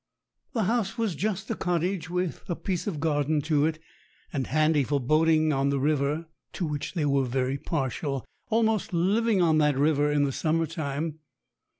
The house was just a cottage with a piece of garden to it, and handy for boating on the river, to which they were very partial almost living on that river in the summer time.